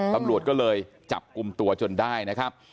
ตำรวจก็เลยจับกลุ่มตัวจนได้นะครับ